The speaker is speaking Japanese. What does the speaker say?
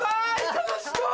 楽しそう。